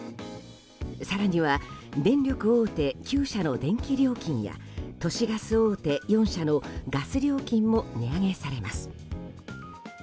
更には電力大手９社の電気料金や都市ガス大手４社のガス料金も値上げされます。